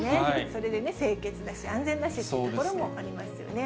それでね、清潔だし、安全だしというところもありますよね。